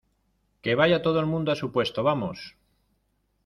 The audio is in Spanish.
que vaya todo el mundo a su puesto. ¡ vamos!